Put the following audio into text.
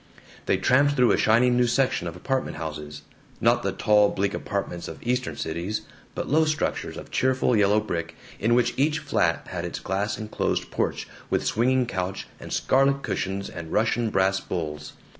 They tramped through a shining new section of apartment houses; not the tall bleak apartments of Eastern cities but low structures of cheerful yellow brick, in which each flat had its glass enclosed porch with swinging couch and scarlet cushions and Russian brass bowls.